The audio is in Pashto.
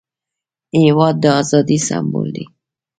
هېواد د ازادۍ سمبول دی.